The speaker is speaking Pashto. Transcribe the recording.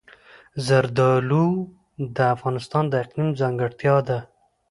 زردالو د افغانستان د اقلیم ځانګړتیا ده.